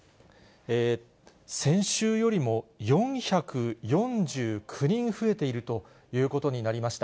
先週よりも４４９人増えているということになりました。